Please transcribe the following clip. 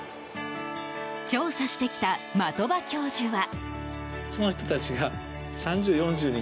調査してきた的場教授は。